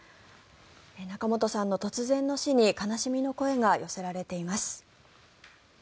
仲本さんの突然の死に悲しみの声が寄せられています。